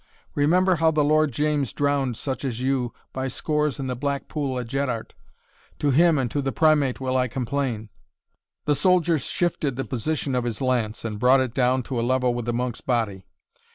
Remember how the Lord James drowned such as you by scores in the black pool at Jeddart. To him and to the Primate will I complain." The soldier shifted the position of his lance, and brought it down to a level with the monk's body.